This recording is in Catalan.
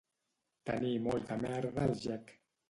Tenir molta merda al gec